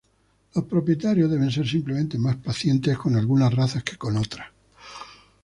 Los propietarios deben ser simplemente más pacientes con algunas razas que con otras.